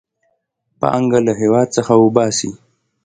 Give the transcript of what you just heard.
پانګه له هېواد څخه وباسي.